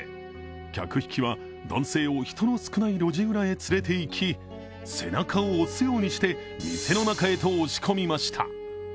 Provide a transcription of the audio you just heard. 客引きは、男性を人の少ない路地裏へ連れて行き、背中を押すようにして店の中へと押し込みました。